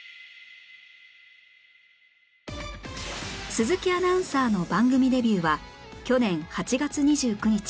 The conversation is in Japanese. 鈴木アナウンサーの番組デビューは去年８月２９日